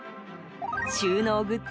収納グッズ